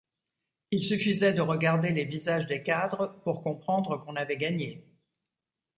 il suffisait de regarder les visages des cadres pour comprendre qu'on avait gagné.